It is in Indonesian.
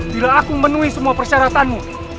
bila aku menuhi semua persyaratanmu